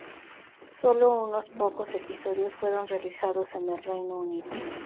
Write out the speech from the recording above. Solo unos pocos episodios fueron realizados en el Reino Unido.